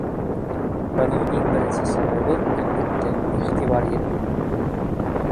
Бының иң беренсе сәбәбе, әлбиттә, иғтибар етмәү.